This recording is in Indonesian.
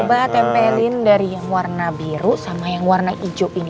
saya pernah mendengarnya dalam buku ridva asyga dan war lakhong